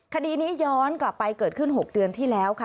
คดีนี้ย้อนกลับไปเกิดขึ้น๖เดือนที่แล้วค่ะ